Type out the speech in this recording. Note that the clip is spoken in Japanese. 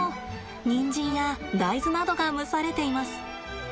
ニンジンや大豆などが蒸されています。